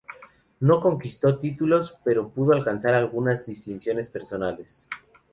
No conquistó títulos, pero pudo alcanzar algunas distinciones personales.